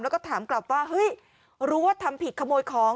แล้วก็ถามกลับว่าเฮ้ยรู้ว่าทำผิดขโมยของ